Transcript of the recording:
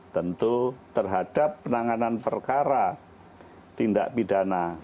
tentu terhadap penanganan perkara tindak pidana